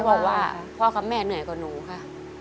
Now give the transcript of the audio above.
บอกว่าพ่อกับแม่เหนื่อยกว่าหนูค่ะ